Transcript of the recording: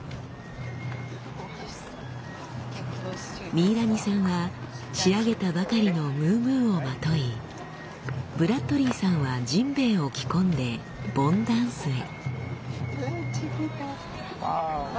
ミイラニさんは仕上げたばかりのムームーをまといブラッドリーさんはじんべいを着込んで盆ダンスへ。